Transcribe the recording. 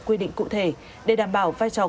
quy định cụ thể để đảm bảo vai trò